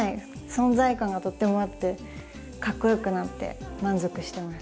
存在感がとってもあってかっこよくなって満足してます。